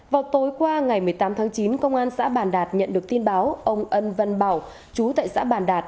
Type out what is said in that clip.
vào tối qua ngày một mươi tám tháng chín công an xã bàn đạt nhận được tin báo ông ân văn bảo chú tại xã bàn đạt